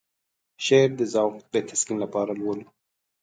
شعر د ذوق د تسکين لپاره لولو.